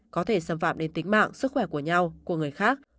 có thể xâm phạm đến tính mạng sức khỏe của nhau của người khác